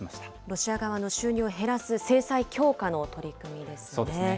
ロシア側の収入を減らす制裁強化の取り組みですね。